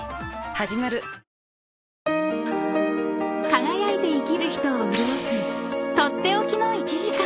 ［輝いて生きる人を潤す取って置きの１時間］